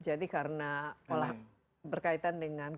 jadi karena berkaitan dengan